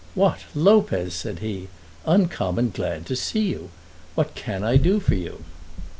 "What, Lopez!" said he. "Uncommon glad to see you. What can I do for you?"